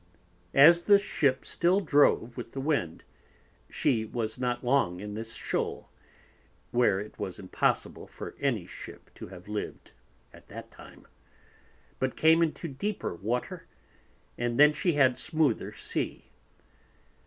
As the Ship still drove with the Wind, she was not long in this Shoal, (where it was impossible for any Ship to have lived at that time) but came into deeper Water, and then she had a smoother Sea.